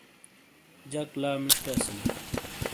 جک لا مشٹے اسیلے۔